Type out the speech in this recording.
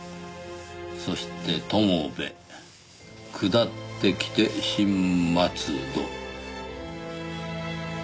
そして友部下ってきて新松戸。